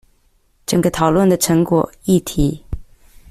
整個討論的成果丶議題